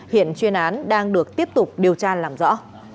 hiện chuyên án đang được tiếp tục điều tra làm rõ